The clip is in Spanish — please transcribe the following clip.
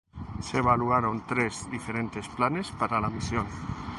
Se evaluaron tres diferentes planes para la misión.